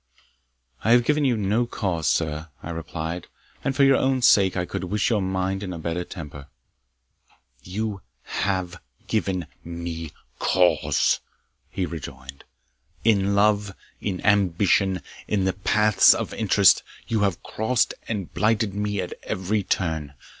"I have given you no cause, sir," I replied, "and for your own sake I could wish your mind in a better temper." "You have given me cause," he rejoined. "In love, in ambition, in the paths of interest, you have crossed and blighted me at every turn.